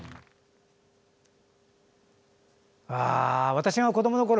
私が子どものころ